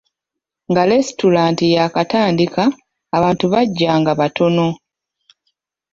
Nga lesitulanta yaakatandika, abantu bajjanga batono.